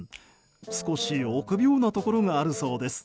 少し臆病なところがあるそうです。